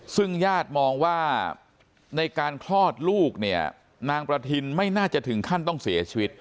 ซึ่งญาติมองว่าในการคลอดลูกเนี่ยนางประทินไม่น่าจะถึงขั้นต้องเสียชีวิต